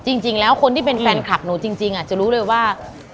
จริงแล้วคนที่เป็นแฟนคลับหนูจริงจะรู้เลยว่า